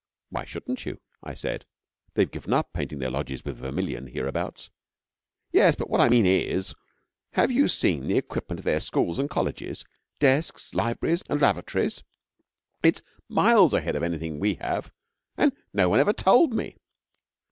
'Why shouldn't you?' I said. 'They've given up painting their lodges with vermilion hereabouts.' 'Yes, but what I mean is, have you seen the equipment of their schools and colleges desks, libraries, and lavatories? It's miles ahead of anything we have and no one ever told me.'